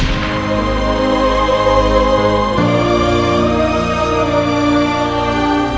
aku sedang bergantung